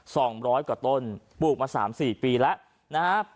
สองร้อยกว่าต้นปลูกมาสามสี่ปีแล้วนะฮะ